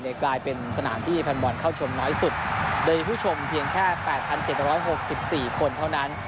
เนี่ยกลายเป็นสนามที่ฟานบอลเข้าชมน้อยสุดโดยผู้ชมเพียงแค่แปดพันเจ็ดเจ็ดร้อยหกสิบสี่คนเท่านั้น